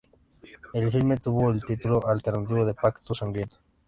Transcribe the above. El filme tuvo el título alternativo de Pacto sangriento.